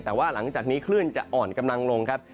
แต่ว่าหลังจากนี้คลื่นจะอ่อนกำลังลงครับ